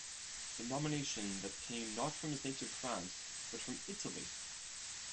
A nomination that came not from his native France but from Italy.